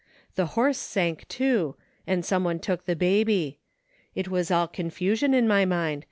The horse sank, too, and some one took the baby. It is all confusion in my mind.